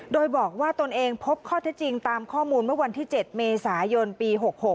โดยบอกว่าตนเองพบข้อเท็จจริงตามข้อมูลเมื่อวันที่๗เมษายนปี๖๖